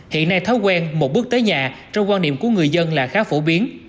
hiện nay thói quen một bước tới nhà trong quan niệm của người dân là khá phổ biến